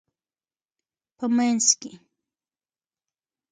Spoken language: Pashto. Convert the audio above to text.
په مینځ کې